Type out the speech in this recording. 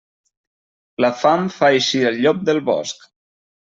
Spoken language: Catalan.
La fam fa eixir el llop del bosc.